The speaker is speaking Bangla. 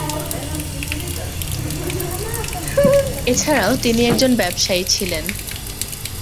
এছাড়াও তিনি একজন ব্যবসায়ী ছিলেন।